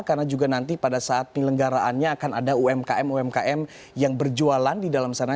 karena juga nanti pada saat penyelenggaraannya akan ada umkm umkm yang berjualan di dalam sana